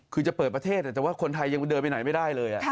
คือจะเปิดประเทศแต่ว่าคนไทยยังเดินไปไหนไม่ได้เลย